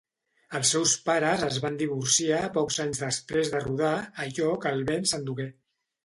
Els seus pares es van divorciar pocs anys després de rodar "Allò que el vent s'endugué".